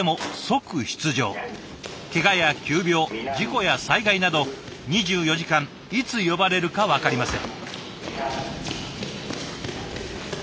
けがや急病事故や災害など２４時間いつ呼ばれるか分かりません。